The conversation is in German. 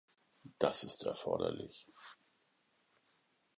Das ist erforderlich.